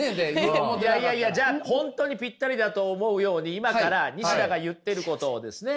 じゃあ本当にぴったりだと思うように今から西田が言ってることをですね